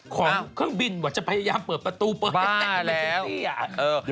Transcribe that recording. ของเครื่องบินว่าจะพยายามเปิดประตูเปิดให้ได้ไม่ใช่สิอ่ะ